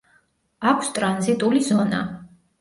აქვს ტრანზიტული ზონა.